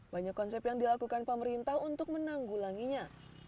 banyak konsep yang dilakukan pemerintah untuk menanggulanginya